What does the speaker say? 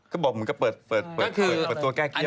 ก็บอกผมก็เปิดตัวแก้เกี่ยว